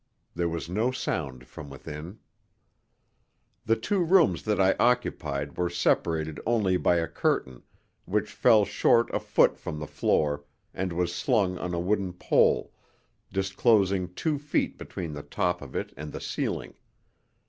There was no sound from within. The two rooms that I occupied were separated only by a curtain, which fell short a foot from the floor and was slung on a wooden pole, disclosing two feet between the top of it and the ceiling.